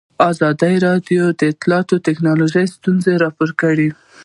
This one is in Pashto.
ازادي راډیو د اطلاعاتی تکنالوژي ستونزې راپور کړي.